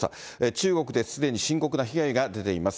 中国ですでに深刻な被害が出ています。